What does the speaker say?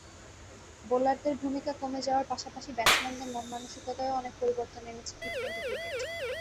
বোলারদের ভূমিকা কমে যাওয়ার পাশাপাশি ব্যাটসম্যানদের মনমানসিকতায়ও অনেক পরিবর্তন এনেছে টি-টোয়েন্টি ক্রিকেট।